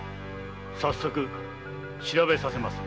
早速調べさせまする。